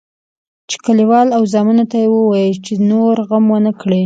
چې کلیوال او زامنو ته یې ووایي چې نور غم ونه کړي.